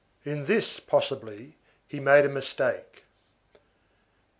In this, possibly, he made a mistake.